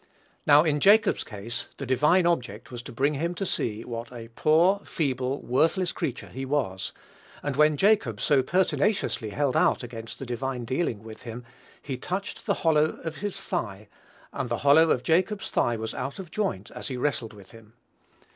Now, in Jacob's case, the divine object was to bring him to see what a poor, feeble, worthless creature he was, and when Jacob so pertinaciously held out against the divine dealing with him, "he touched the hollow of his thigh; and the hollow of Jacob's thigh was out of joint as he wrestled with him."